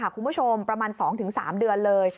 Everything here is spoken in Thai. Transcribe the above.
คุณผู้ชมประมาณ๒๓เดือนเลย